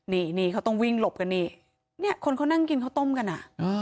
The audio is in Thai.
นี่นี่เขาต้องวิ่งหลบกันนี่เนี่ยคนเขานั่งกินข้าวต้มกันอ่ะ